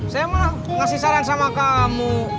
saya mah ngasih saran sama kamu